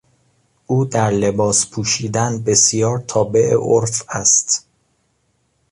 او در لباس پوشیدن بسیار تابع عرف است.